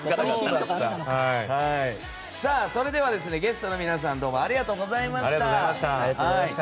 それではゲストの皆さんどうもありがとうございました。